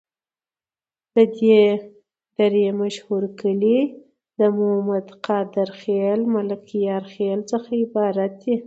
د دي درې مشهور کلي د مومد، قادر خیل، ملکیار خیل څخه عبارت دي.